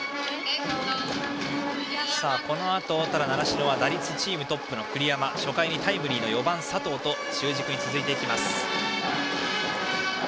このあと習志野は打率チームトップの栗山、そして初回にタイムリーの４番、佐藤と中軸に続いていきます。